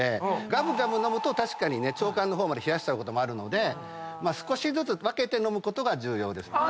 がぶがぶ飲むと腸管の方まで冷やしちゃうこともあるので少しずつ分けて飲むことが重要です。